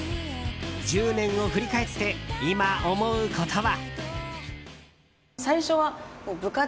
１０年を振り返って今、思うことは。